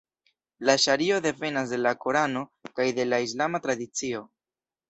La ŝario devenas de la Korano kaj de la islama tradicio.